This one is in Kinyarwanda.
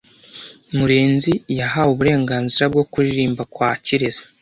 Murenzi yahawe uburenganzira bwo kuririmba kwa Kirezi .